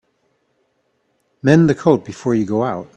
Mend the coat before you go out.